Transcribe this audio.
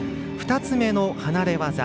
２つ目の離れ技。